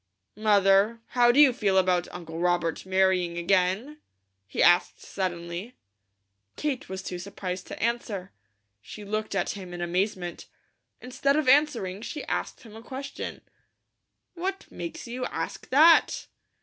"Mother, how do you feel about Uncle Robert marrying again?" he asked suddenly. Kate was too surprised to answer. She looked at him in amazement. Instead of answering, she asked him a question: "What makes you ask that?"